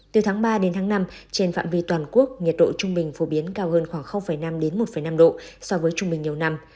từ tháng ba đến tháng năm trên phạm vi toàn quốc nhiệt độ trung bình phổ biến cao hơn khoảng năm một năm độ so với trung bình nhiều năm